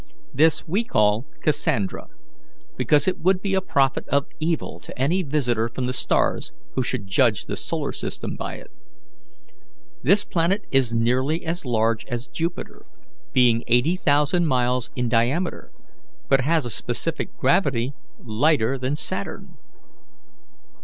This we call Cassandra, because it would be a prophet of evil to any visitor from the stars who should judge the solar system by it. This planet is nearly as large as Jupiter, being 80,000 miles in diameter, but has a specific gravity lighter than Saturn.